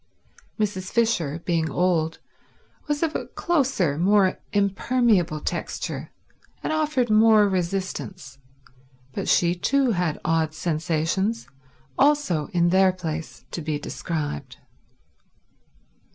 Mrs. Fisher, being old, was of a closer, more impermeable texture, and offered more resistance; but she too had odd sensations, also in their place to be described.